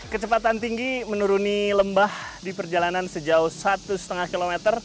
kecepatan tinggi menuruni lembah di perjalanan sejauh satu lima km